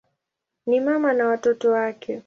Ni mama na watoto wake.